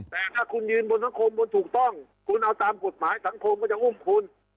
แต่ถ้าคุณยืนบนสังคมบนถูกต้องคุณเอาตามกฎหมายสังคมก็จะอุ้มคุณ